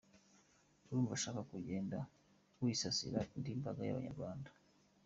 Urumva ushaka kugenda wisasiye indi mbaga y’Abanyarwanda?